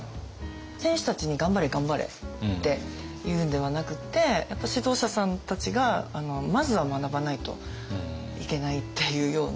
選手たちに「頑張れ頑張れ」って言うんではなくってやっぱ指導者さんたちがまずは学ばないといけないっていうような。